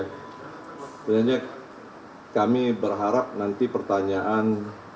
sebenarnya kami berharap nanti pertanyaan